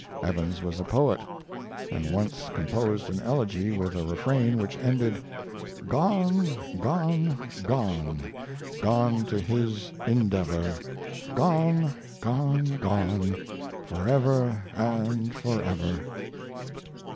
Evans was a poet, and once composed an elegy with a refrain which ended: Gone, gone, gone Gone to his endeavor; Gone, gone, gone, Forever and forever.